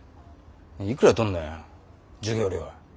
いくら取んのよ授業料。